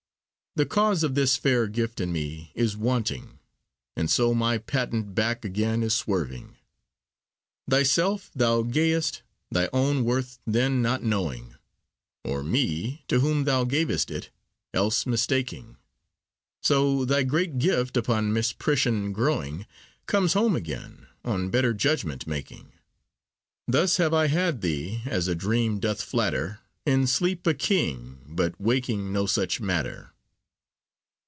The cause of this fair gift in me is wanting, And so my patent back again is swerving. Thyself thou gayest, thy own worth then not knowing, Or me, to whom thou gavest it, else mistaking; So thy great gift, upon misprision growing, Comes home again, on better judgement making. Thus have I had thee, as a dream doth flatter, In sleep a king, but waking no such matter.